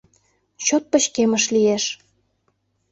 Чот пычкемыш лиеш.